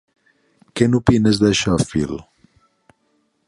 Què n'opines d'això, Phil?